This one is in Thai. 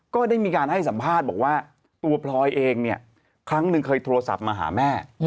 ก็ได้มีการให้สัมภาษณ์บอกว่าตัวพลอยเองเนี่ยครั้งหนึ่งเคยโทรศัพท์มาหาแม่